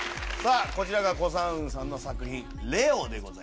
こちらがコ・サンウさんの作品『ＬＥＯ』でございます。